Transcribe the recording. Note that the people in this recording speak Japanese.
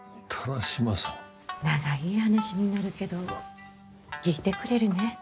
長い話になるけど聞いてくれるねぇ？